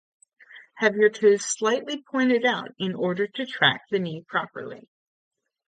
Have your toes slightly pointed out in order to track the knee properly.